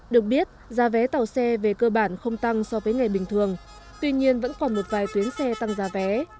được biết giá vé tàu xe về cơ bản không tăng so với ngày bình thường tuy nhiên vẫn còn một vài tuyến xe tăng giá vé